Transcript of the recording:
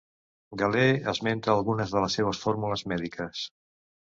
Galè esmenta algunes de les seves fórmules mèdiques.